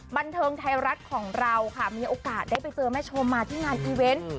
บันเทิงไทยรัฐของเราค่ะมีโอกาสได้ไปเจอแม่ชมมาที่งานอีเวนต์